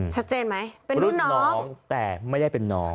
ชัดเจนไหมเป็นรุ่นน้องแต่ไม่ได้เป็นน้อง